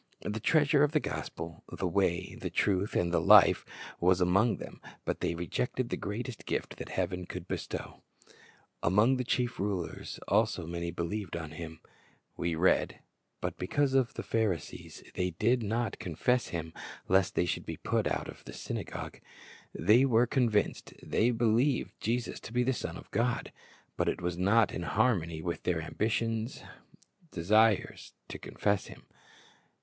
The treasure of the gospel, the Way, the Truth, and the Life, was among them, but they rejected the greatest gift that heaven could bestow. "Among the chief rulers also many believed on Him," we read; "but because of the Pharisees they did not confess io6 Christ's Object Lessons Him, lest they should be put out of the synagogue." ^ They were convinced; they believed Jesus to be the Son of God; but it was not in harmony with their ambitious desires to confess Him.